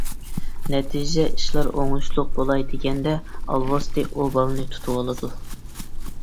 نەتىجىدە ئىشلار ئوڭۇشلۇق بولاي دېگەندە ئالۋاستى ئۇ بالىنى تۇتۇۋالىدۇ.